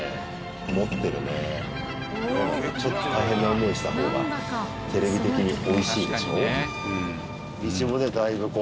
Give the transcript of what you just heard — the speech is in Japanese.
持ってるねえちょっと大変な思いしたほうがテレビ的においしいでしょ